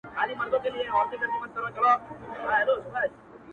پرې مي ږده ښه درته لوگی سم بيا راونه خاندې؛